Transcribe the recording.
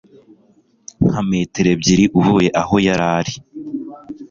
nka metero ebyiri uvuye aho yari ari